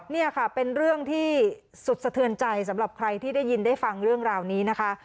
นี่ค่ะเป็นเรื่องที่สุดสะเทือนใจสำหรับใครที่ได้ยินได้ฟังเรื่องราวนี้นะคะ